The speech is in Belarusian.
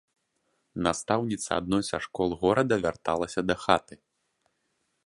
Настаўніца адной са школ горада вярталася дахаты.